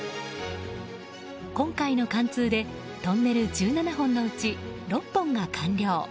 今回の貫通でトンネル１７本のうち６本が完了。